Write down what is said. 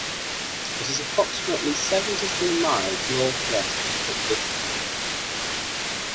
It is approximately seventy-three miles northwest of Wichita.